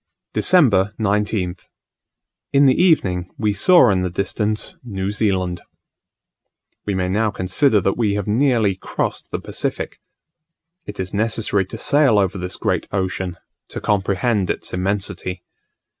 December 19th. In the evening we saw in the distance New Zealand. We may now consider that we have nearly crossed the Pacific. It is necessary to sail over this great ocean to comprehend its immensity.